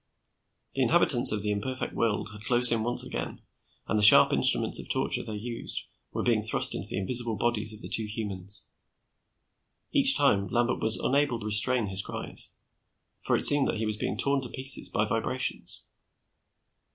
The inhabitants of the imperfect world had closed in once again and the sharp instruments of torture they used were being thrust into the invisible bodies of the two humans. Each time, Lambert was unable to restrain his cries, for it seemed that he was being torn to pieces by vibrations.